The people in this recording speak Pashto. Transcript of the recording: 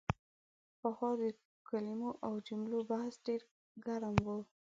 پخوا د کلمو او جملو بحث ډېر ګرم و.